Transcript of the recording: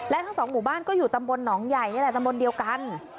และทั้งสองหมู่บ้านก็อยู่ตำบลหนองใหญ่นี่แหละตำบลเดียวกัน